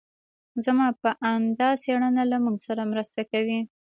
زما په اند دا څېړنه له موږ سره مرسته کوي.